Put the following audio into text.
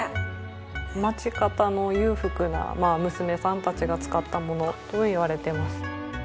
町方の裕福な娘さんたちが使った物といわれています。